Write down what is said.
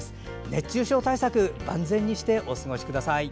熱中症対策を万全にしてお過ごしください。